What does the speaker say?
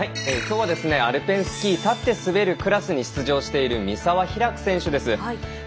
きょうはアルペンスキー立って滑るクラスに出場している三澤拓選手です。